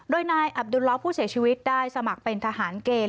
โดยนายอับดุลล้อผู้เสียชีวิตได้สมัครเป็นทหารเกณฑ์